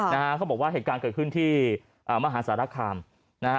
นะฮะเขาบอกว่าเหตุการณ์เกิดขึ้นที่อ่ามหาสารคามนะฮะ